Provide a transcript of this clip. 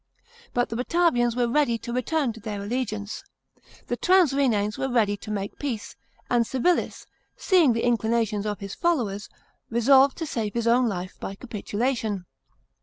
But the Batavians were ready to return to their allegiance; the trans Rhenanes were ready to make peace; and Civilis, seeing the inclinations of his followers, resolved to save his own life by capitulation.